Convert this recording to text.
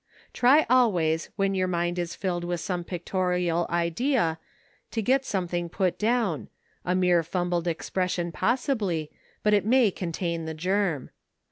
Try always when your mind is filled with some pictorial idea to get something put down, a mere fumbled expression possibly, but it may contain the germ.